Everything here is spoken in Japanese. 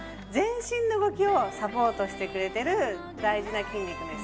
全身の動きをサポートしてくれてる大事な筋肉です